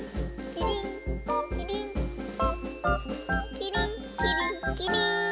キリンキリンキリン。